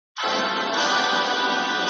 جهاني ولي دي تیارې په اوښکو ستړي کړلې ,